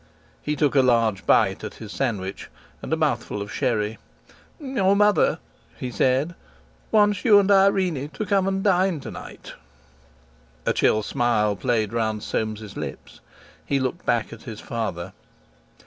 He took a large bite at his sandwich and a mouthful of sherry. "Your mother," he said, "wants you and Irene to come and dine to night." A chill smile played round Soames's lips; he looked back at his father.